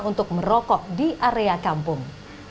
untuk merokok di area kampung